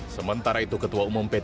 sementara itu ketua umum p tiga